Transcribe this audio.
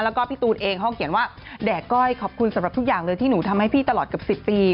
แล้วก็พี่ตูนเองเขาเขียนว่าแดก้อยขอบคุณสำหรับทุกอย่างเลยที่หนูทำให้พี่ตลอดเกือบ๑๐ปี